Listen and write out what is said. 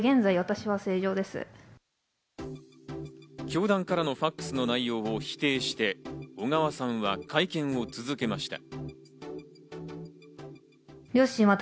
教団からのファクスの内容を否定して小川さんは会見を続けました。